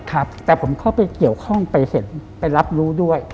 ครับแต่ผมเข้าไปเกี่ยวข้องไปเห็นไปรับรู้ด้วย